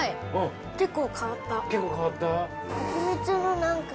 結構変わった？